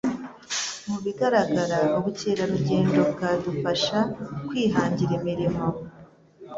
Mubigaragara ubukerarugendo bwadufasha kwihangira imirimo